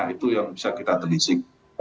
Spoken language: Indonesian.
itu yang bisa kita telisik